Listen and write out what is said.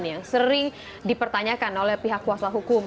yang sering dipertanyakan oleh pihak kuasa hukum